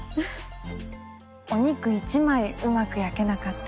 お肉一枚うまく焼けなかった。